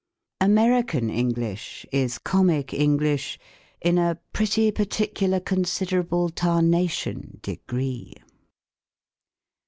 American English is Comic English in a ^^ pretty f articular considerable tai'nation" degree.